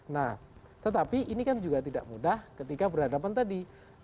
nah tetapi ini kan juga tidak mudah ketika berhadapan tadi